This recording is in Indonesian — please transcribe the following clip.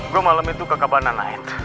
gue malam itu ke cabana night